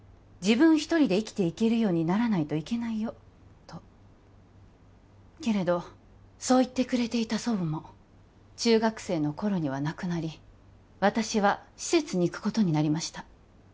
「自分一人で生きていけるようにならないといけないよ」とけれどそう言ってくれていた祖母も中学生の頃には亡くなり私は施設に行くことになりました